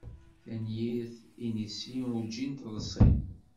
Tanyirt inisi urǧin teḍsi.